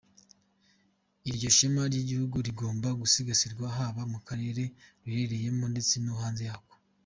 Iryo shema ry’igihugu rigomba gusigasirwa haba mu karere ruherereyemo ndetse no hanze yako."